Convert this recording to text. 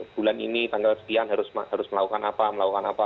bulan ini tanggal sekian harus melakukan apa melakukan apa